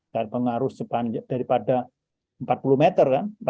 dan pengaruh sepanjang daripada empat puluh meter